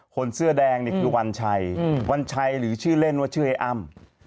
คนเสื้อแดงนี่คือวัญชัยวันชัยหรือชื่อเล่นว่าชื่อไอ้อ้ำ